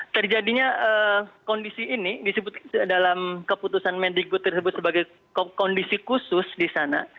terjadinya kondisi ini disebut dalam keputusan mendikbud tersebut sebagai kondisi khusus di sana